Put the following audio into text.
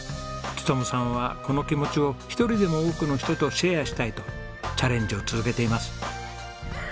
勉さんはこの気持ちを一人でも多くの人とシェアしたいとチャレンジを続けています。